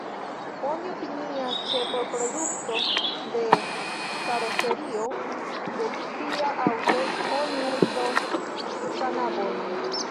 Oni opinias, ke por produkto de karoserio de tia aŭto oni uzos kanabojn.